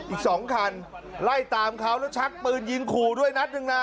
อีก๒คันไล่ตามเขาแล้วชักปืนยิงขู่ด้วยนัดหนึ่งนะ